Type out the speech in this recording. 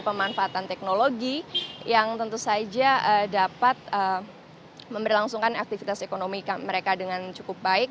pemanfaatan teknologi yang tentu saja dapat memberlangsungkan aktivitas ekonomi mereka dengan cukup baik